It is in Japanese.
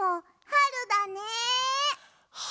はるだね。